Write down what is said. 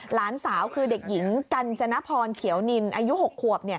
หลานสาวคือเด็กหญิงกัญจนพรเขียวนินอายุ๖ขวบ